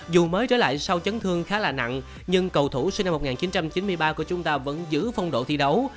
dù mới trở lại sau chấn thương khá là nặng nhưng cầu thủ sinh năm một nghìn chín trăm chín mươi ba của chúng ta vẫn giữ phong độ thi đấu